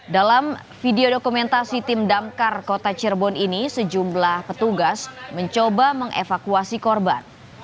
dalam video dokumentasi tim damkar kota cirebon ini sejumlah petugas mencoba mengevakuasi korban